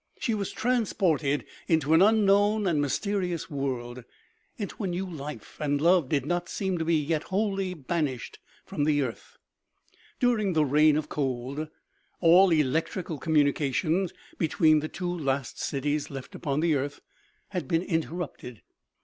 She was transported into an unknown and mysterious world, into a new life, and love did not seem to be yet wholly banished from earth. During the reign of cold, all electrical communication between the two last cities left upon the earth had been interrupted.